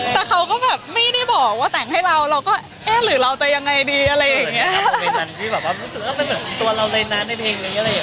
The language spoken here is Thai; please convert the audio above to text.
แต่เขาก็แบบไม่ได้บอกว่าแต่งให้เราเราก็เอ๊ะหรือเราจะยังไงดีอะไรอย่างนี้